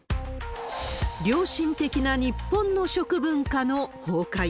良心的な日本の食文化の崩壊。